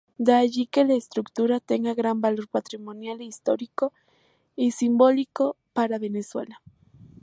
De allí que la estructura tenga gran valor patrimonial, histórico y simbólico para Venezuela.